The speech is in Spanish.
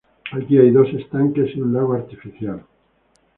Aquí hay dos estanques y un lago artificial.